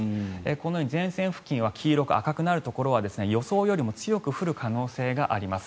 このように前線付近は黄色く、赤くなるところは予想よりも強く降る可能性があります。